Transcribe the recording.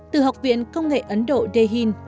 từ học viện công nghệ ấn độ dehin